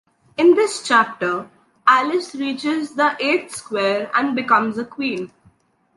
In this chapter, Alice reaches the eighth square and becomes Queen.